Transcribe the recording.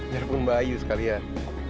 daripada bayu sekalian